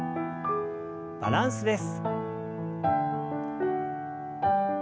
バランスです。